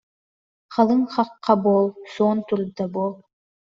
Халыҥ хахха буол, суон турда буол